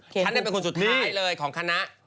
ฉันเป็นคนสุดท้ายเลยของคณะ